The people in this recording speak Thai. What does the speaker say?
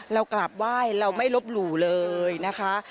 เรากราบไหว้เราไม่ลบหลู่เลยนะคะ